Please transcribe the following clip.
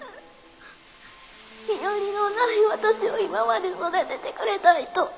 身寄りのない私を今まで育ててくれた人。